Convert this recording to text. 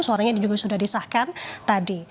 suaranya juga sudah disahkan tadi